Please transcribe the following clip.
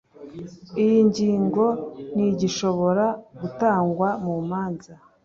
iyi ngingo ntigishobora gutangwa mu manza